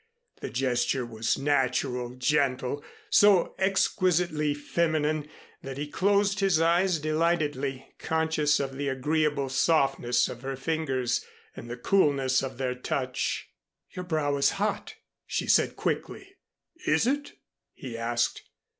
The gesture was natural, gentle, so exquisitely feminine, that he closed his eyes delightedly, conscious of the agreeable softness of her fingers and the coolness of their touch. "Your brow is hot," she said quickly. "Is it?" he asked.